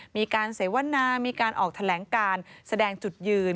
มีการเสวนามีการออกแถลงการแสดงจุดยืน